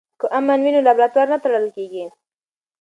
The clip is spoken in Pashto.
که امن وي نو لابراتوار نه تړل کیږي.